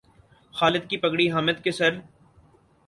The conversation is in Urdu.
خالد کی پگڑی حامد کے سر